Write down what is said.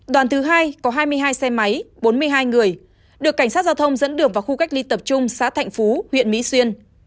đoàn thứ hai có hai mươi hai xe máy bốn mươi hai người được cảnh sát giao thông dẫn đường vào khu cách ly tập trung xã thạnh phú huyện mỹ xuyên